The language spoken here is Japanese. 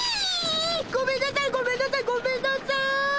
ごめんなさいごめんなさいごめんなさい！